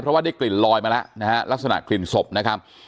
เพราะว่าได้กลิ่นลอยมาแล้วนะฮะลักษณะกลิ่นศพนะครับ